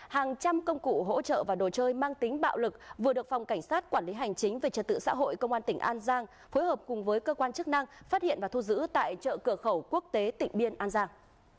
hàng trăm công cụ hỗ trợ và đồ chơi mang tính bạo lực vừa được phòng cảnh sát quản lý hành chính về trật tự xã hội công an tỉnh an giang phối hợp cùng với cơ quan chức năng phát hiện và thu giữ tại chợ cửa khẩu quốc tế tỉnh biên an giang